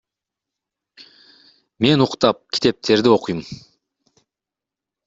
Мен уктап, китептерди окуйм.